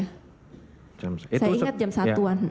saya ingat jam satu an